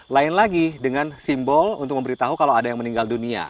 lain lagi dengan simbol untuk memberitahu kalau ada yang meninggal dunia